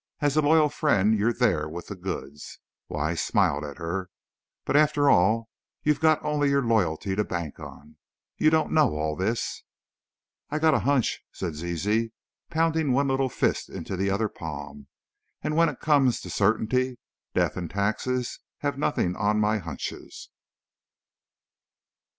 As a loyal friend you're there with the goods!" Wise smiled at her. "But after all, you've got only your loyalty to bank on. You don't know all this." "I've got a hunch," said Zizi, pounding one little fist into the other palm, "and when it comes to certainty, Death and Taxes have nothing on my hunches!"